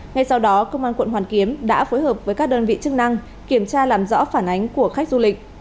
ngay sau đó công an quận hoàn kiếm đã phối hợp với các đơn vị chức năng kiểm tra làm rõ phản ánh của khách du lịch